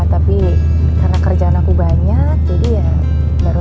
tapi karena kerjaan aku banyak jadi ya baru sekarang aku balik ke sini